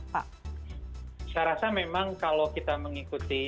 saya rasa memang kalau kita mengikuti